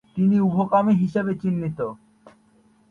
তিনি উভকামী হিসাবে চিহ্নিত।